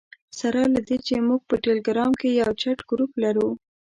سره له دې چې موږ په ټلګرام کې یو چټ ګروپ لرو.